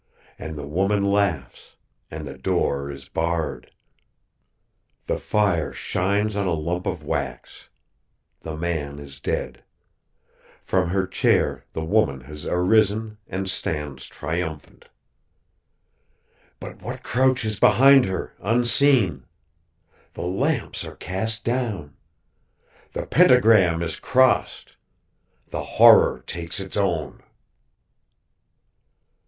And the woman laughs, and the door is barred. "The fire shines on a lump of wax. The man is dead. From her chair the woman has arisen and stands, triumphant. "_But what crouches behind her, unseen? The lamps are cast down! The pentagram is crossed! The Horror takes its own.